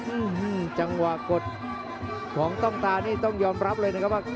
อืมจังหวะกดของต้องตานี่ต้องยอมรับเลยนะครับว่า